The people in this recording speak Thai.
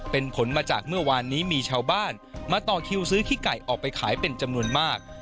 เป็นผลมาจากเมื่อวานนี้มีชาวบ้านมาต่อคิวซื้อขี้ไก่ออกไปขายเป็นจำนวนมาก